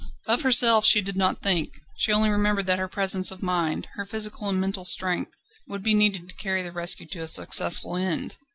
Of herself she did not think; she only remembered that her presence of mind, her physical and mental strength, would be needed to carry the rescue to a successful end.